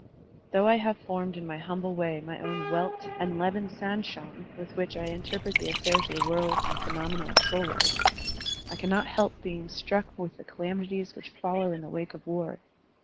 Though I have formed in my humble way my own welt and lebensanschauung with which I interpret the affairs of the world and the phenomena of soul life, I cannot help being struck with the calamities which follow in the wake of war.